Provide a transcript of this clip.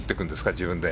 自分で。